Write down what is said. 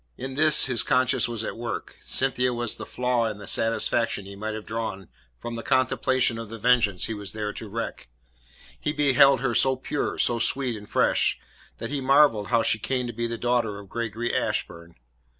In this his conscience was at work. Cynthia was the flaw in the satisfaction he might have drawn from the contemplation of the vengeance he was there to wreak. He beheld her so pure, so sweet and fresh, that he marvelled how she came to be the daughter of Gregory Ashburn.